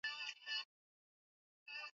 Ugonjwa wa majimoyo kwa ngamia